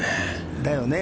だよね。